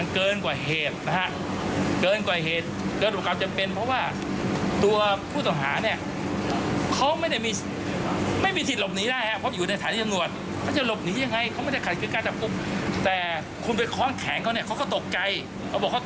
กระทำรุนแรงเกินกว่าเหตุปฏิบัติหน้าที่โดยมิชอบตามมาตรา๑๕๗ค่ะ